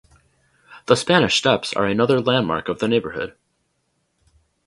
The Spanish Steps are another landmark of the neighborhood.